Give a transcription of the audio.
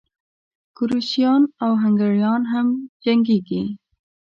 کروشیایان او هنګریایان هم جنګېږي.